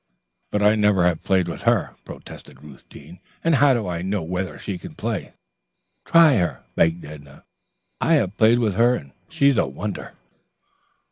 "But I never have played with her," protested Ruth Deane, "and how do I know whether she can play?" "Try her," begged Edna. "I have played with her and she is a wonder."